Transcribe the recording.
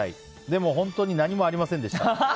でも、本当に何もありませんでした。